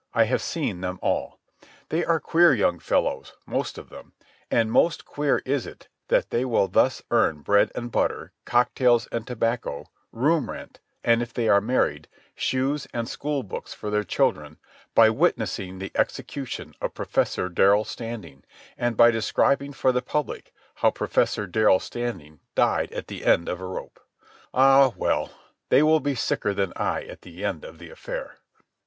I have seen them all. They are queer young fellows, most of them, and most queer is it that they will thus earn bread and butter, cocktails and tobacco, room rent, and, if they are married, shoes and schoolbooks for their children, by witnessing the execution of Professor Darrell Standing, and by describing for the public how Professor Darrell Standing died at the end of a rope. Ah, well, they will be sicker than I at the end of the affair.